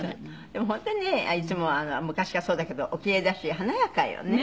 でも本当にねいつも昔からそうだけどお奇麗だし華やかよね。